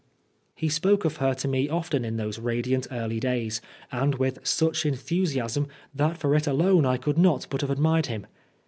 He spoke of her to me often in those radiant early days, and with such enthusiasm that for it alone I could not but have admired him.